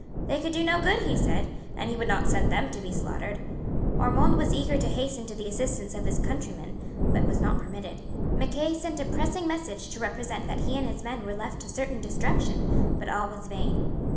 They could do no good, he said, and he would not send them to be slaughtered. Ormond was eager to hasten to the assistance of his countrymen, but was not permitted. Mackay sent a pressing message to represent that he and his men were left to certain destruction; but all was vain.